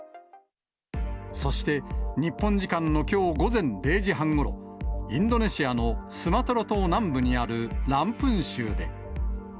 そして、日本時間のきょう午前０時半ごろ、インドネシアのスマトラ島南部にあるランプン州で。